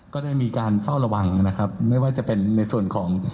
ก็ได้มีการเฝ้าระวังนะครับไม่ว่าจะเป็นในส่วนของ